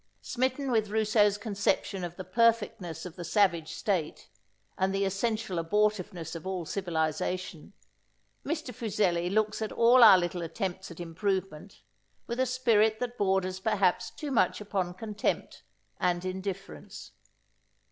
Smitten with Rousseau's conception of the perfectness of the savage state, and the essential abortiveness of all civilization, Mr. Fuseli looks at all our little attempts at improvement, with a spirit that borders perhaps too much upon contempt and indifference.